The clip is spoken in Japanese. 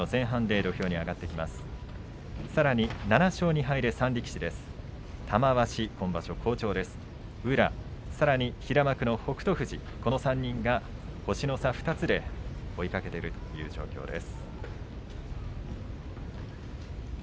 宇良、そして、さらに平幕の北勝富士この３人が星の差２つで追いかけているという状況です。